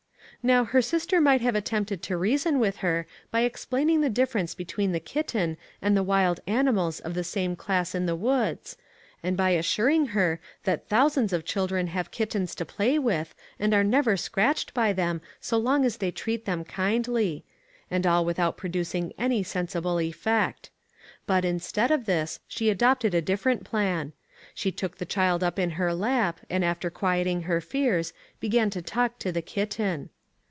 Now her sister might have attempted to reason with her by explaining the difference between the kitten and the wild animals of the same class in the woods, and by assuring her that thousands of children have kittens to play with and are never scratched by them so long as they treat them kindly and all without producing any sensible effect. But, instead of this, she adopted a different plan. She took the child up into her lap, and after quieting her fears, began to talk to the kitten.